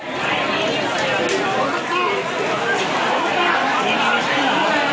อัศวินิสัตว์อัศวินิสัตว์อัศวินิสัตว์